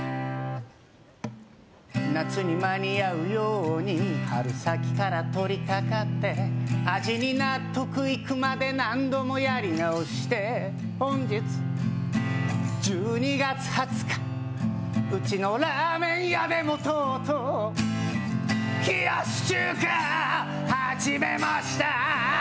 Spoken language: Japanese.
夏に間に合うように春先から取りかかって味に納得いくまで何度もやり直して本日１２月２０日うちのラーメン屋でもとうとう冷やし中華はじめました